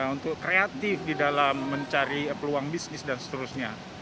untuk kreatif di dalam mencari peluang bisnis dan seterusnya